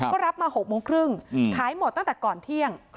ก็รับมา๖โมงครึ่งขายหมดตั้งแต่ก่อนเที่ยง